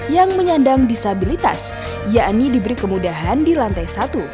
yang menyandang disabilitas yakni diberi kemudahan di lantai satu